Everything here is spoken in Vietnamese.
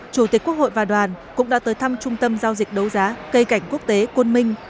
chủ tịch quốc hội và đoàn cũng đã tới thăm trung tâm giao dịch đấu giá cây cảnh quốc tế quân minh